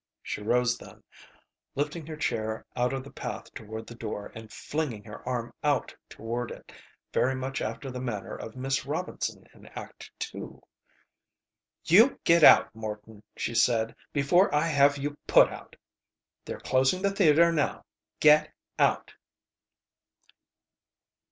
She rose then, lifting her chair out of the path toward the door and flinging her arm out toward it, very much after the manner of Miss Robinson in Act II. "You get out, Morton," she said, "before I have you put out. They're closing the theater now. Get out!"